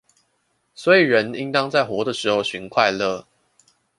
所以人應當在活的時候尋快樂